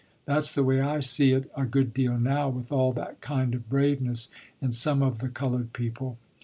That's the way I see it a good deal now with all that kind of braveness in some of the colored people.